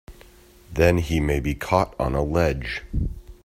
Then he may be caught on a ledge!